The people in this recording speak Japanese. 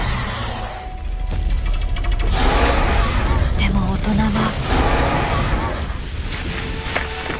でも大人は。